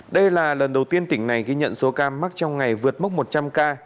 đây là lần đầu tiên tỉnh này ghi nhận số ca mắc trong ngày vượt mốc một trăm linh ca